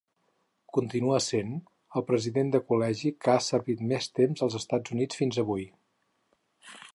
Continua essent el president de col·legi que ha servit més temps als Estats Units fins avui.